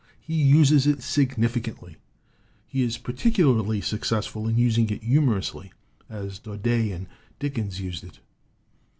He uses it significantly; he is particularly successful in using it humorously, as Daudet and Dickens used it.